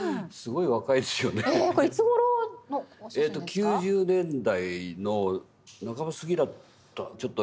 ９０年代の半ばすぎだった。